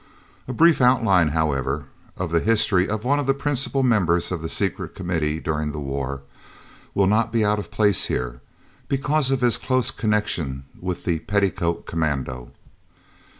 A brief outline, however, of the history of one of the principal members of the Secret Committee, during the war, will not be out of place here, because of his close connection with the "Petticoat Commando."